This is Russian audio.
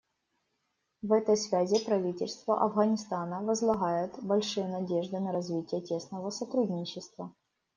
В этой связи правительство Афганистана возлагает большие надежды на развитие тесного сотрудничества.